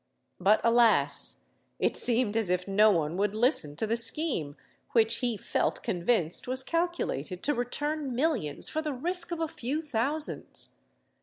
But, alas! it seemed as if no one would listen to the scheme which he felt convinced was calculated to return millions for the risk of a few thousands!